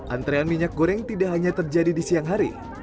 antrean minyak goreng tidak hanya terjadi di siang hari